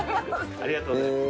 ありがとうございます。